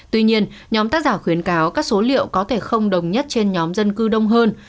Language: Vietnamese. tuy nhiên nhóm tác giả khuyến cáo các số liệu có thể không đồng nhất trên nhóm dân cư đông hơn